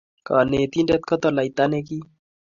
Kanetindet ko toloita ne kim